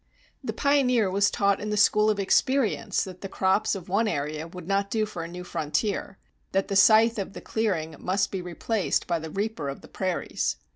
The pioneer was taught in the school of experience that the crops of one area would not do for a new frontier; that the scythe of the clearing must be replaced by the reaper of the prairies.